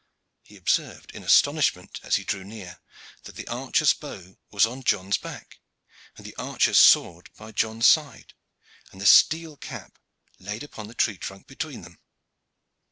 He observed with astonishment, as he drew near, that the archer's bow was on John's back, the archer's sword by John's side, and the steel cap laid upon the tree trunk between them.